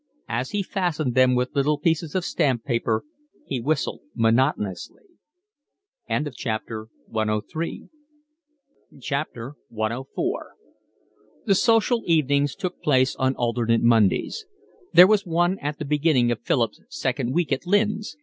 As he fastened them with little pieces of stamp paper he whistled monotonously. CIV The social evenings took place on alternate Mondays. There was one at the beginning of Philip's second week at Lynn's.